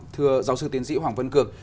thưa giáo sư tiến sĩ hoàng vân cường